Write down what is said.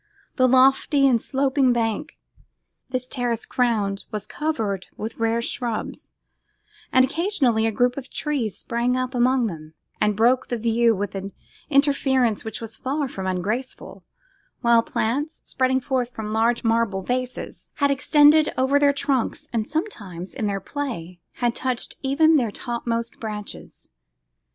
The lofty and sloping bank which this terrace crowned was covered with rare shrubs, and occasionally a group of tall trees sprang up among them, and broke the view with an interference which was far from ungraceful, while plants, spreading forth from large marble vases, had extended over their trunks, and sometimes, in their play, had touched even their topmost branches.